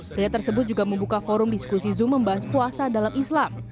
pria tersebut juga membuka forum diskusi zoom membahas puasa dalam islam